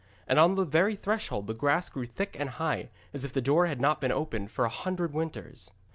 And on the very threshold the grass grew thick and high, as if the door had not been opened for a hundred winters.